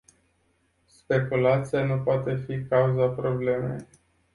Speculația nu poate fi cauza problemei.